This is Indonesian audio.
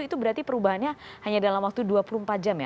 itu berarti perubahannya hanya dalam waktu dua puluh empat jam ya